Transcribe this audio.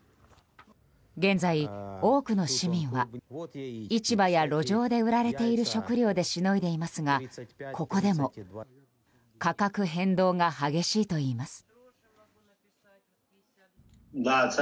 現在、多くの市民は市場や路上で売られている食料でしのいでいますが、ここでも価格変動が激しいといいます。